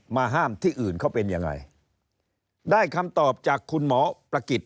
ห้ามที่อื่นเขาเป็นยังไงได้คำตอบจากคุณหมอประกิจ